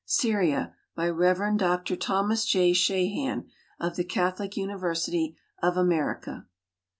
Syria, by Rev. Dr. Thomas J. Shahan, of the Catholic University of America.